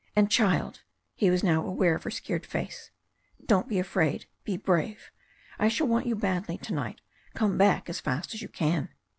And, child," he was now aware of her scared face, "don't be afraid, be brave. I shall want you badly to night. Come back as fast as you can."